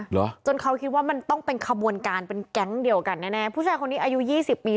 เหรอจนเขาคิดว่ามันต้องเป็นขบวนการเป็นแก๊งเดียวกันแน่แน่ผู้ชายคนนี้อายุยี่สิบปี